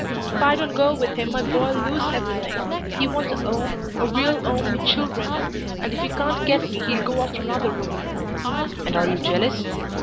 If I don't go with him my boy'll lose everything. He wants a 'ome a real 'ome with children, and if he can't get me he'll go after another woman." "And are you jealous?"